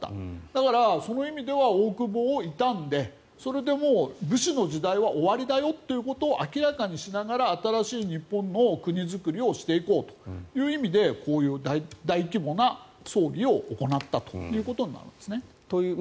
だからその意味では大久保を悼んでそれで武士の時代は終わりだよってことを明らかにしながら新しい日本の国作りをしていこうという意味でこういう大規模な葬儀を行ったということになるんです。